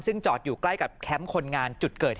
ซึ่งจอดอยู่ใกล้กับแคมป์คนงาน